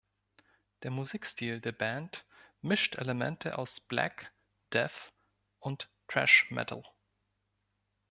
Der Musikstil der Band mischt Elemente aus Black-, Death- und Thrash Metal.